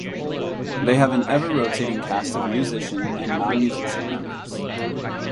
They have an ever rotating cast of musician and nonmusician members.